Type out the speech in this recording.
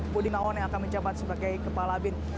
budi naon yang akan menjabat sebagai kepala bin